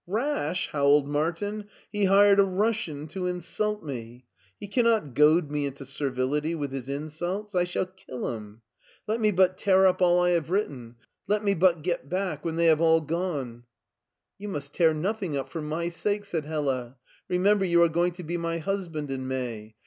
''Rash!" howled Martin. "He hired a Russian to insult me ! He cannot goad me into servility with his insults. I shall kill him. Let me but tear up all I LEIPSIC 139 have written, let me but get back when they have all gone !"" You must tear nothing up — for my sake," said Hella. " Remember you are going to be my husband in May.